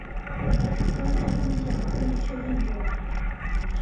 高架地下未确定过。